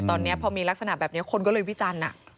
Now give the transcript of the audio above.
ตอนนี้พอมีลักษณะแบบนี้คนก็เลยวิจันทร์